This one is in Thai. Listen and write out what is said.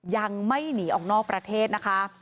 ยังไม่หนีออกนอกประเทศนะคะ